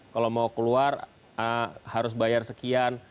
kalau mau keluar harus bayar sekian